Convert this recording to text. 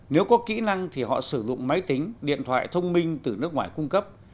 nếu có kỹ năng thì họ sử dụng máy tính điện thoại thông minh từ nước ngoài cung cấp